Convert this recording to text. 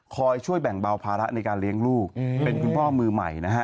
คอยช่วยแบ่งเบาภาระในการเลี้ยงลูกเป็นคุณพ่อมือใหม่นะฮะ